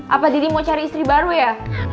apa diri mau cari istri baru ya